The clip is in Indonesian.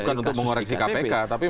di ktp bukan untuk mengoreksi kpk tapi